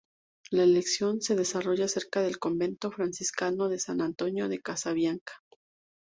La elección se desarrolla cerca del convento franciscano de San Antonio de Casabianca.